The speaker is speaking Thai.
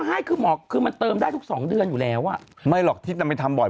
ให้คือหมอคือมันเติมได้ทุกสองเดือนอยู่แล้วอ่ะไม่หรอกที่จะไปทำบ่อย